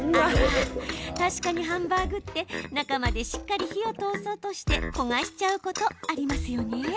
確かにハンバーグって中までしっかり火を通そうとして焦がしちゃうこと、ありますよね。